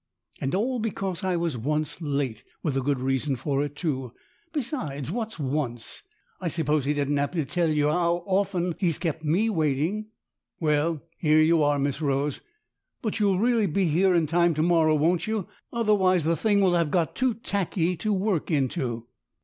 " And all because I was once late with a good reason for it, too. Besides, what's once? I suppose he didn't 'appen to tell you how often he's kept me waiting." "Well, here you are, Miss Rose. But you'll really be here in time to morrow, won't you? Otherwise the thing will have got too tacky to work into."